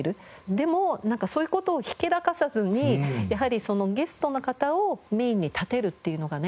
でもそういう事をひけらかさずにやはりゲストの方をメインに立てるっていうのがね